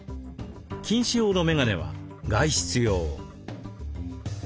近視用のメガネは外出用。